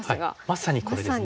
まさにこれですね。